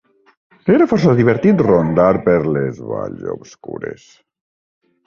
Era força divertit rondar per les valls obscures